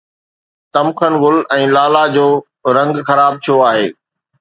تمکن گل ۽ لالا جو رنگ خراب ڇو آهي؟